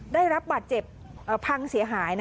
ได้รับบาดเจ็บพังเสียหาย